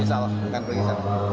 insya allah bukan periksa